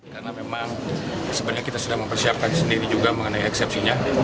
karena memang sebenarnya kita sudah mempersiapkan sendiri juga mengenai eksepsinya